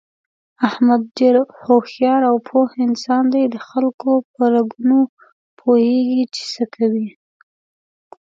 احمد ډېر هوښیار او پوه انسان دی دخلکو په رګونو پوهېږي، چې څه کوي...